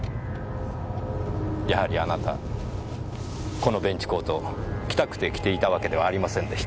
やはりあなたこのベンチコート着たくて着ていたわけではありませんでした。